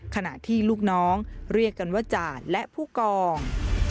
ขณะที่ลูกน้องเรียกกันว่าจาดและผู้กอง